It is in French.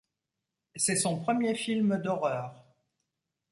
C’est son premier film d’horreur.